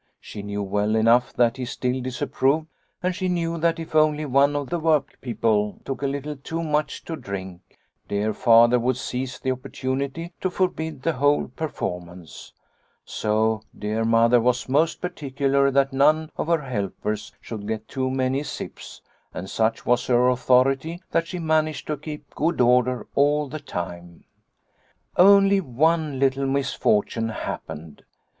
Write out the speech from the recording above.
She knew well enough that he still disapproved, and she knew that if only one of the workpeople took a little too much to drink, dear Father would seize the opportunity to forbid the whole per formance. So dear Mother was most particular that none of her helpers should get too many sips, and such was her authority that she managed to keep good order all the time. " Only one little misfortune happened.